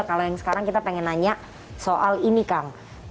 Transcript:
kalau yang sekarang kita pengen nanya soal ini kang